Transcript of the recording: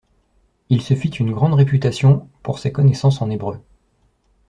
Il se fit une grande réputation pour ses connaissances en hébreu.